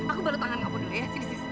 aku bantu tanganku dulu ya